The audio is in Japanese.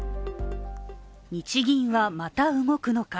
日銀はまた動くのか。